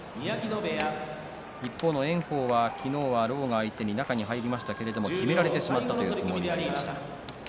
一方の炎鵬は昨日は狼雅相手に中に入りましたが押しきられてしまったという相撲でした。